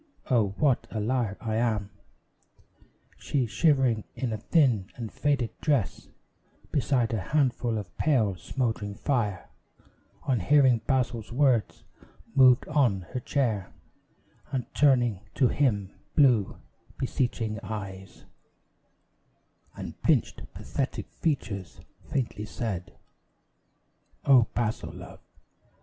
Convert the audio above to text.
O, what a liar I am!" She, shivering in a thin and faded dress Beside a handful of pale, smouldering fire, On hearing Basil's words, moved on her chair, And turning to him blue, beseeching eyes, And pinched, pathetic features, faintly said "O, Basil, love!